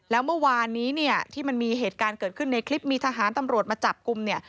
แล้วเมื่อวานนี้เนี่ยที่มันมีเหตุการณ์เกิดขึ้นในคลิปมีทหารตำรวจมาจับกลุ่มเนี่ย